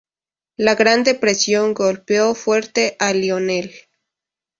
La Gran Depresión golpeó fuerte a Lionel.